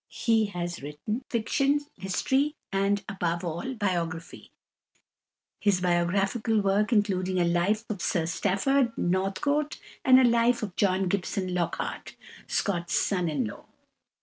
He has written fiction, history, and, above all, biography, his biographical work including a Life of Sir Stafford Northcote and a Life of John Gibson Lockhart, Scott's son in law.